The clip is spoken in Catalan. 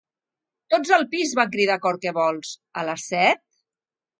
Tots al pis! —van cridar a cor què vols— A les set?